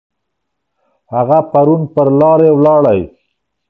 هغه پرون پر لارې ولاړی.